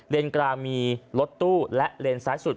กลางมีรถตู้และเลนซ้ายสุด